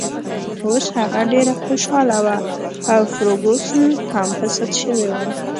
اوس هغه ډېره خوشحاله وه او فرګوسن هم په سد شوې وه.